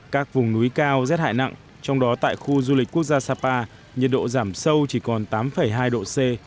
các vùng núi cao rét hại nặng trong đó tại khu du lịch quốc gia sapa nhiệt độ giảm sâu chỉ còn tám hai độ c